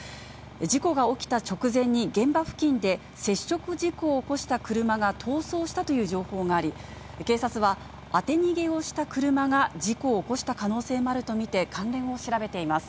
事故が起きた直前に、現場付近で接触事故を起こした車が逃走したという情報があり、警察は、当て逃げをした車が事故を起こした可能性もあると見て、関連を調べています。